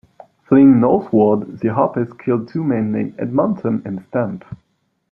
Fleeing northward, the Harpes killed two men named Edmonton and Stump.